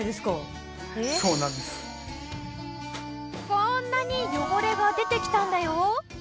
こんなに汚れが出てきたんだよ。